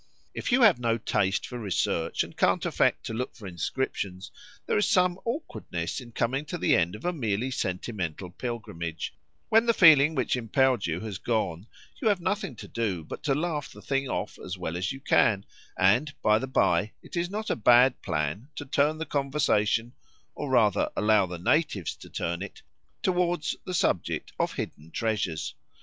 If you have no taste for research, and can't affect to look for inscriptions, there is some awkwardness in coming to the end of a merely sentimental pilgrimage; when the feeling which impelled you has gone, you have nothing to do but to laugh the thing off as well as you can, and, by the bye, it is not a bad plan to turn the conversation (or rather, allow the natives to turn it) towards the subject of hidden treasures.